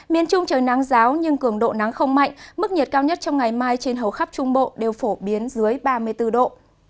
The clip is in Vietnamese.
miền trung trời nắng giáo nhưng cường độ nắng không mạnh mức nhiệt cao nhất trong ngày mai trên hầu khắp trung bộ đều phổ biến dưới ba mươi bốn độ